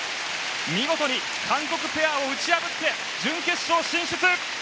見事に韓国ペアを打ち破って準決勝進出！